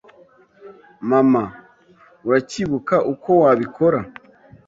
Mama, uracyibuka uko wabikora?